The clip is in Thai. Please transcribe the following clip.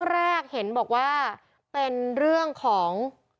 แรกเห็นบอกว่าเป็นเรื่องของ